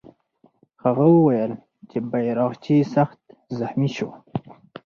هغه وویل چې بیرغچی سخت زخمي سو.